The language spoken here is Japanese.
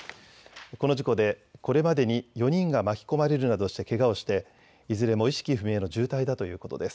この事故でこれまでに４人が巻き込まれるなどしてけがをして、いずれも意識不明の重体だということです。